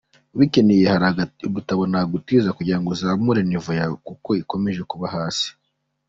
Ubikeneye hari udutabo nagutiza kugira ngo uzamure niveau yawe kuko ikabije kuba hasi.